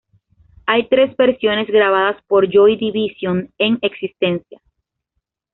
Hay tres versiones grabadas por Joy Division en existencia.